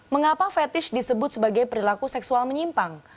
mengapa fetish disebut sebagai perilaku seksual menyimpang